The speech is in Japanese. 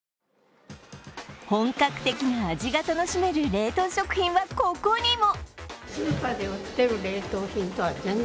本格的な味が楽しめる冷凍食品はここにも。